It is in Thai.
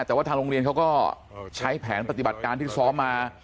แต่ว่าทางโรงเรียนเขาก็ใช้แผนปฏิบัติการที่ซ้อมมา